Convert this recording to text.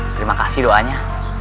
terima kasih doanya